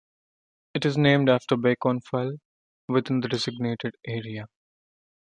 It is named after Beacon Fell within the designated area.